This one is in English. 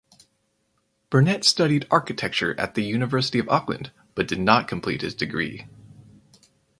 Burnett studied architecture at the University of Auckland but did not complete his degree.